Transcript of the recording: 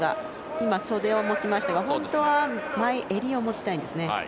今、袖を持ちましたが本当は前襟を持ちたいんですね。